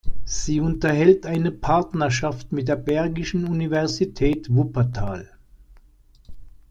Sie unterhält eine Partnerschaft mit der Bergischen Universität Wuppertal.